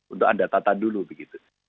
untuk ada tata dulu begitu